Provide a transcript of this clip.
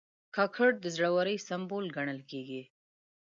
کاکړ د زړه ورۍ سمبول ګڼل کېږي.